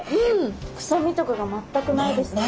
くさみとかが全くないですね。